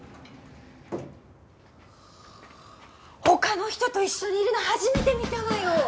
他の人と一緒にいるの初めて見たわよ。